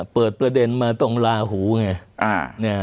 เปิดประเด็นมาตรงลาหูไง